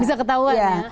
bisa ketahuan ya